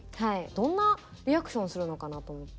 どんなリアクションするのかなと思って。